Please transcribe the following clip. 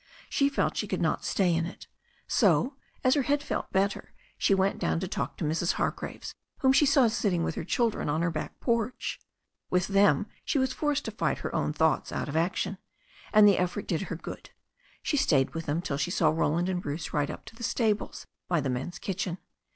She felt she could not stay in it. So, as her head felt better, she went down to talk to Mrs. Hargraves, whom she saw sitting with her children on her back porch. With them she was forced to fight her own thoughts out of action, and the effort did her good. She stayed with them till she saw Roland and Bruce ride up to the stables by the men's kitchen.